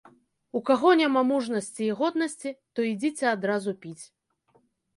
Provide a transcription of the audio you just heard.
У каго няма мужнасці і годнасці, то ідзіце адразу піць.